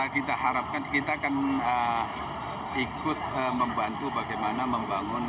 kita harapkan kita akan ikut membantu bagaimana membangun